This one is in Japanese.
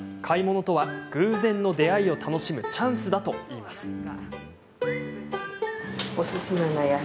買い物とは偶然の出会いを楽しむチャンスだといいます。